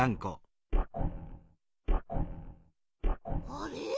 あれ？